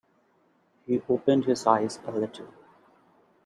He opened his eyes a little.